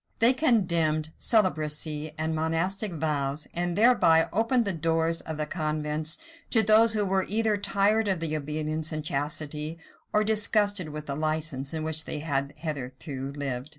They condemned celibacy and monastic vows, and thereby opened the doors of the convents to those who were either tired of the obedience and chastity, or disgusted with the license, in which they had hitherto lived.